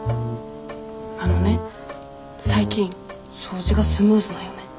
あのね最近掃除がスムーズなんよね。